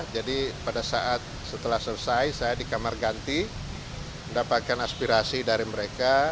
pada saat setelah selesai saya di kamar ganti mendapatkan aspirasi dari mereka